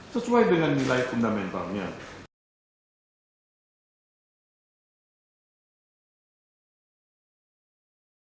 sesuai dengan nilai fundamentalnya